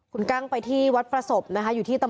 คุณกั้งไปที่วัดประสบนะคะ